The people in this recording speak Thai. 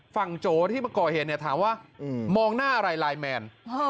ฝั่งโจ๋ที่เก่าเห็นถามว่ามองหน้าอะไรไลน์แมน